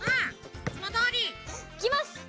いつもどおり！いきます！